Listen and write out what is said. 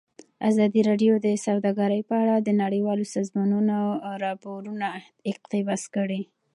ازادي راډیو د سوداګري په اړه د نړیوالو سازمانونو راپورونه اقتباس کړي.